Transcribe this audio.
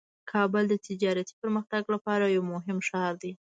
کابل د تجارتي پرمختګ لپاره یو مهم ښار دی.